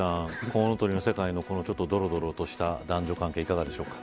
コウノトリの世界のどろどろとした男女関係、いかがですか。